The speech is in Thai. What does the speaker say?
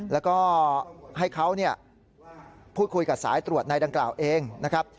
แล้วก็ให้เขาพูดคุยกับสายตรวจในดังกล่าวเองนะครับ